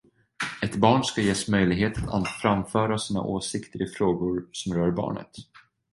Ett barn ska ges möjlighet att framföra sina åsikter i frågor som rör barnet.